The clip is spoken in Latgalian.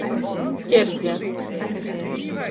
Kerze.